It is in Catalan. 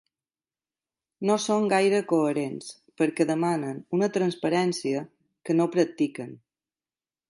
No són gaire coherents, perquè demanen una transparència que no practiquen.